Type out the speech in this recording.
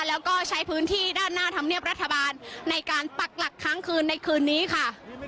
แล้วก็ใช้พื้นที่ด้านหน้าธรรมเนียบรัฐบาลในการปักหลักค้างคืนในคืนนี้ค่ะ